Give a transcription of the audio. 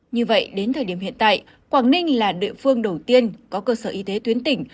như vậy đến thời điểm hiện tại quảng ninh là địa phương đầu tiên có cơ sở y tế tuyến tỉnh